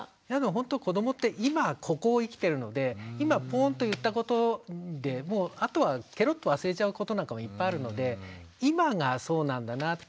ほんと子どもって今ここを生きてるので今ポンと言ったことでもうあとはケロッと忘れちゃうことなんかもいっぱいあるので今がそうなんだなって。